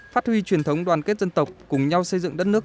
phát huy truyền thống đoàn kết dân tộc cùng nhau xây dựng đất nước